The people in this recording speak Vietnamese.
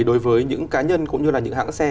đối với những cá nhân cũng như là những hãng xe